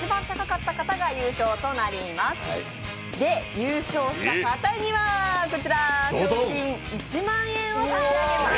優勝した方には、こちら賞金１万円をさしあげます。